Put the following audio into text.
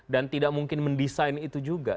dan tidak mungkin mendesain itu juga